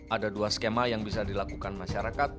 ada dua skema yang bisa dilakukan masyarakat